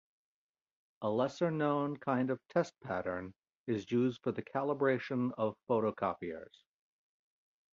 A lesser-known kind of test pattern is used for the calibration of photocopiers.